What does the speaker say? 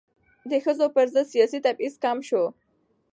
د ښځو پر ضد سیاسي تبعیض کم شو.